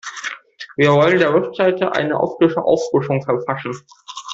Wir wollen der Website eine optische Auffrischung verpassen.